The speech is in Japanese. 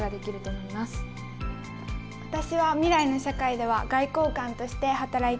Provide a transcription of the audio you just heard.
私は未来の社会では外交官として働いていたいです。